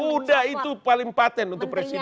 udah itu paling patent untuk presiden rivana